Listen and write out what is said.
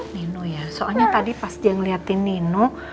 nino ya soalnya tadi pas dia ngeliatin nino